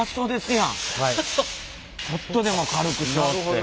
ちょっとでも軽くしようって。